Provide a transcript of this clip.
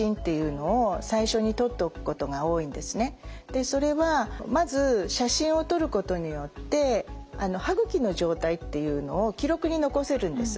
でそれはまず写真を撮ることによって歯ぐきの状態っていうのを記録に残せるんです。